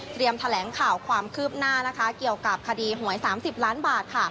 แถลงข่าวความคืบหน้าเกี่ยวกับคดีหวย๓๐ล้านบาท